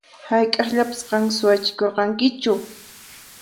Hayk'aqllapas qan suwachikurqankichu?